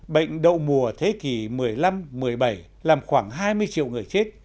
bệnh đậu mùa thế kỷ một mươi năm một mươi bảy làm khoảng hai mươi triệu người chết